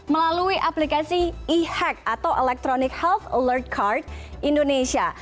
melalui aplikasi e hack atau electronic health alert card indonesia